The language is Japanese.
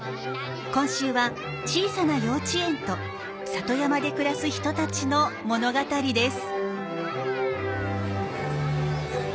今週は小さなようちえんと里山で暮らす人たちの物語です。